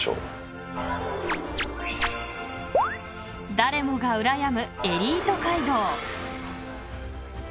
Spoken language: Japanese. ［誰もがうらやむエリート街道］